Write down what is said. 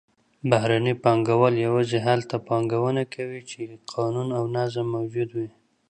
بهرني پانګهوال یوازې هلته پانګونه کوي چې قانون او نظم موجود وي.